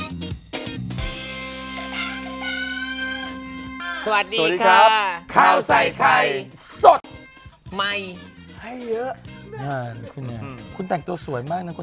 สวัสดีครับข้าวใส่ไข่สดใหม่ให้เยอะคุณเนี่ยคุณแต่งตัวสวยมากนะคุณ